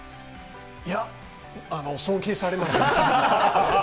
いや、尊敬されます。